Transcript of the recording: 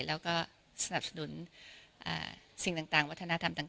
แล้วก็สนับสนุนสิ่งต่างวัฒนธรรมต่าง